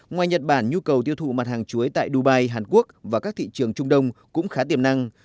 ngoài nhật bản nhu cầu tiêu thụ mặt hàng chuối tại dubai hàn quốc và các thị trường trung đông cũng khá tiềm năng